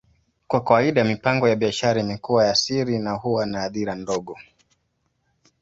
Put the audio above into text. Kwa kawaida, mipango ya biashara imekuwa ya siri na huwa na hadhira ndogo.